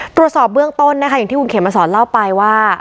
ตรวจสอบเบื้องต้นนะคะอย่างที่คุณเขมมาสอนเล่าไปว่า